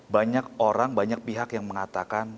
banyak orang banyak pihak yang mengatakan